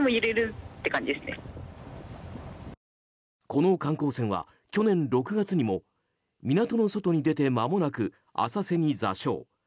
この観光船は、去年６月にも港の外に出てまもなく浅瀬に座礁。